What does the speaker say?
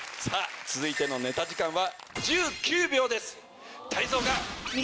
続いてのネタ時間は。